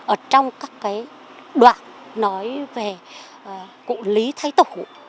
ở trong các cái đoạn nói về cụ lý thái tổ